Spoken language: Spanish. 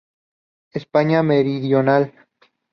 España meridional.